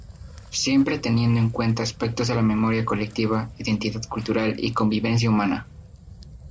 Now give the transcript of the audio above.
Siempre teniendo en cuenta aspectos de la memoria colectiva, identidad cultural y convivencia humana.